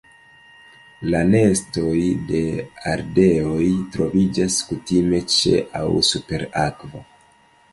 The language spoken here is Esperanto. La nestoj de ardeoj troviĝas kutime ĉe aŭ super akvo.